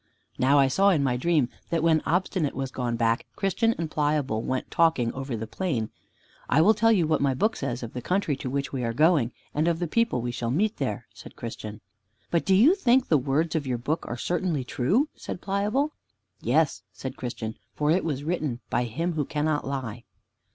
Now I saw in my dream that when Obstinate was gone back, Christian and Pliable went talking over the plain. "I will tell you what my book says of the country to which we are going, and of the people we shall meet there," said Christian. "But do you think the words of your book are certainly true?" said Pliable. "Yes," said Christian, "for it was written by Him who cannot lie."